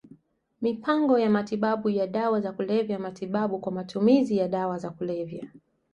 Mipango ya matibabu ya dawa za kulevya Matibabu kwa matumizi ya dawa za kulevya